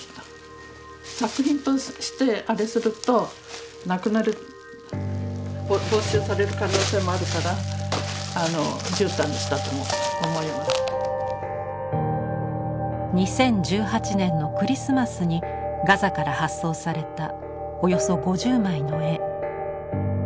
作品としてあれするとなくなる２０１８年のクリスマスにガザから発送されたおよそ５０枚の絵。